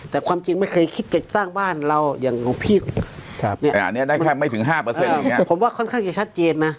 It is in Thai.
แต่ความจริงไม่เคยคิดจัดสร้างบ้านเราอย่างของพี่ผมว่าค่อนข้างจะชัดเจนนะ